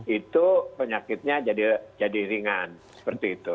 itu penyakitnya jadi ringan seperti itu